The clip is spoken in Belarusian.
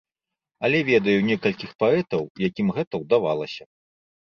Але ведаю некалькіх паэтаў, якім гэта ўдавалася.